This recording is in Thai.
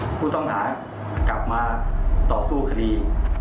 ผู้ต้องหากลับมาต่อสู้คดี